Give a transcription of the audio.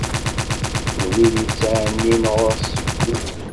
N wid yettɛennin ɣur-s seg wul.